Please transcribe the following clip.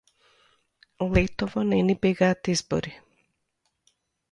Летово не ни бегаат избори